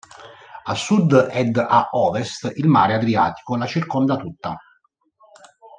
A sud ed a ovest il mare Adriatico la circonda tutta.